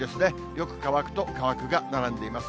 よく乾くと乾くが並んでいます。